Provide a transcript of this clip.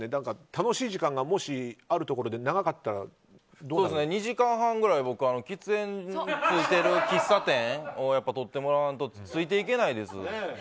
楽しい時間があるところで長かったら２時間半ぐらい喫煙所がついてる喫茶店とってもらわないとついていけないです。